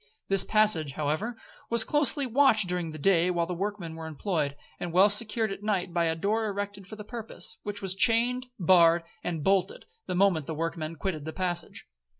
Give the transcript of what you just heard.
This passage, however, was closely watched during the day while the workmen were employed, and well secured at night by a door erected for the purpose, which was chained, barred, and bolted, the moment the workmen quitted the passage.